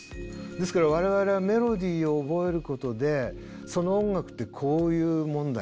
ですから我々はメロディーを覚えることでその音楽ってこういうもんだよね。